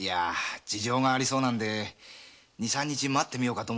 事情がありそうなんで二三日待ってみようかと。